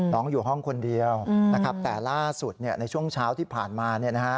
น้องอยู่ห้องคนเดียวนะครับแต่ล่าสุดในช่วงเช้าที่ผ่านมา